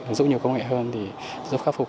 ứng dụng nhiều công nghệ hơn để giúp khắc phục